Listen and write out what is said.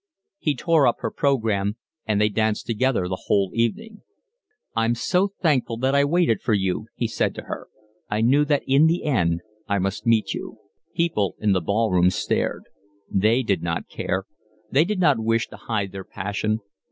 She tore up her programme, and they danced together the whole evening. "I'm so thankful that I waited for you," he said to her. "I knew that in the end I must meet you." People in the ball room stared. They did not care. They did not wish to hide their passion.